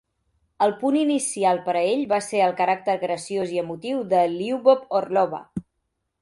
El punt inicial per a ell va ser el caràcter graciós i emotiu de Lyubov Orlova.